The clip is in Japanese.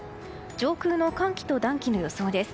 上空の寒気と暖気の予想です。